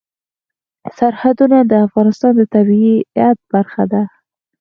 سرحدونه د افغانستان د طبیعت برخه ده.